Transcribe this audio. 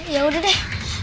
ya udah deh